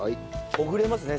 ほぐれますね